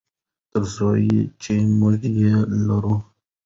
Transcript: تر څو چې موږ یې لرو.